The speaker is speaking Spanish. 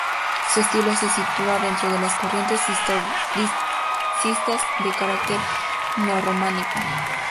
Su estilo se sitúa dentro de las corrientes historicistas, de carácter neorrománico.